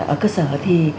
ở cơ sở thì